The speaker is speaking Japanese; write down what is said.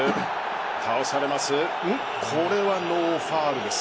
倒されます。